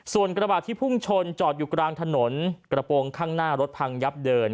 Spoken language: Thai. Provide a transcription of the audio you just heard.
ส่วนกระบาดที่พุ่งชนจอดอยู่กลางถนนกระโปรงข้างหน้ารถพังยับเยิน